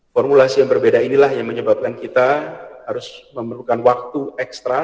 formulasi yang berbeda inilah yang menyebabkan kita harus memerlukan waktu ekstra